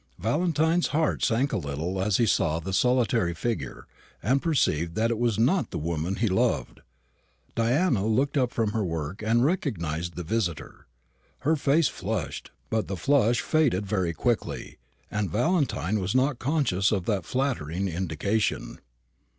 Valentine's heart sank a little as he saw the solitary figure, and perceived that it was not the woman he loved. Diana looked up from her work and recognised the visitor. Her face flushed, but the flush faded very quickly, and Valentine was not conscious of that flattering indication.